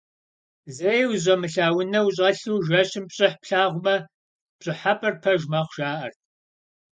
Зэи узыщӀэмылъа унэ ущӀэлъу жэщым пщӀыхь плъагъумэ, пщӀыхьэпӀэр пэж мэхъу, жаӀэрт.